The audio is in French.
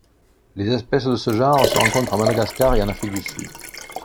Les espèces de ce genre se rencontrent à Madagascar et en Afrique du Sud.